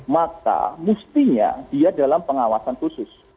maka mestinya dia dalam pengawasan khusus